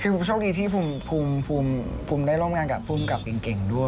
คือโชคดีที่ภูมิได้ร่วมงานกับภูมิกับเก่งด้วย